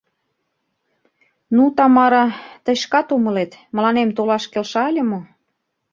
— Ну, Тамара, тый шкат умылет, мыланем толаш келша ыле мо?